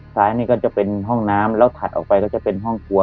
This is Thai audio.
ซ้ายนี่ก็จะเป็นห้องน้ำแล้วถัดออกไปก็จะเป็นห้องครัว